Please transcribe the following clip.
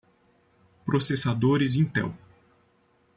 Processadores Intel.